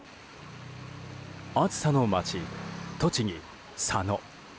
暑さの街、栃木・佐野。